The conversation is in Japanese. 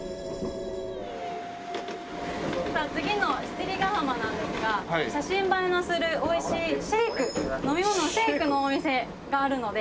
さあ次の七里ヶ浜なんですが写真映えのするおいしいシェイク飲み物のシェイクのお店があるので。